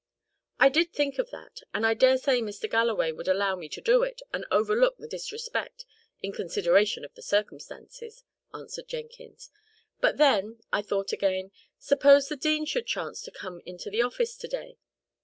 "I did think of that; and I dare say Mr. Galloway would allow me to do it, and overlook the disrespect in consideration of the circumstances," answered Jenkins. "But then, I thought again, suppose the dean should chance to come into the office to day?